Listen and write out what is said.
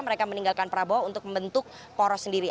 mereka meninggalkan prabowo untuk membentuk poros sendiri